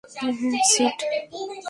হ্যা, সিড।